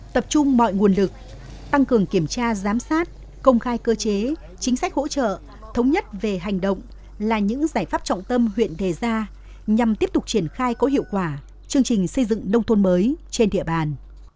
tập trung mọi nguồn lực tăng cường kiểm tra giám sát công khai cơ chế chính sách hỗ trợ thống nhất về hành động là những giải pháp trọng tâm huyện đề ra nhằm tiếp tục triển khai có hiệu quả chương trình xây dựng nông thôn mới trên địa bàn